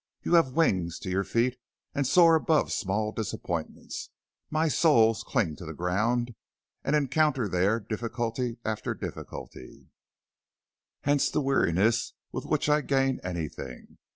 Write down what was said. You have wings to your feet and soar above small disappointments. My soles cling to the ground and encounter there difficulty after difficulty. Hence the weariness with which I gain anything.